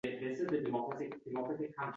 Ma’yus jilmaygan ko‘yi boshim ustiga egiladi.